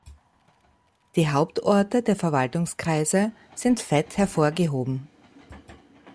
Die Hauptorte der Verwaltungskreise sind fett hervorgehoben.